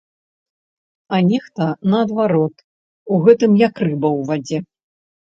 А нехта, наадварот, у гэтым як рыба ў вадзе.